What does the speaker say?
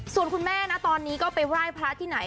ส่วนคุณแม่นะตอนนี้ก็ไปไหว้พระที่ไหน